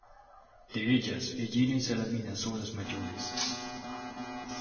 De ellas, Egina y Salamina son las mayores.